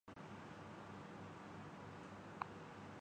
کف اُڑانے پہ بھی پابندی نہیں ہے کوئی